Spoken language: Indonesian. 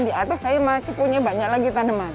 di atas saya masih punya banyak lagi tanaman